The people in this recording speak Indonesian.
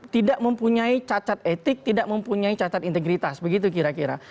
tidak mempunyai cacat etik tidak mempunyai cacat integritas begitu kira kira